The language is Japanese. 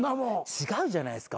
違うじゃないですか。